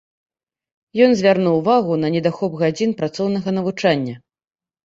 Ён звярнуў увагу на недахоп гадзін працоўнага навучання.